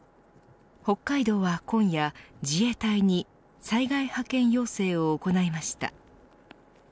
北海道は今夜、自衛隊に災害派遣要請を行いました。